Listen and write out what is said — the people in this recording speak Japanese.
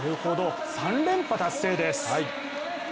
３連覇達成です。